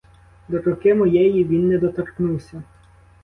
До руки моєї він не доторкнувся!